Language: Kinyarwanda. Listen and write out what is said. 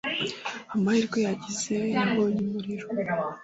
amahirwe yagize yabonye umuriro,